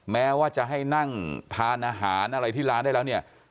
แม้ว่าจะให้นั่งทานอาหารอะไรที่ร้านได้แล้วเนี่ย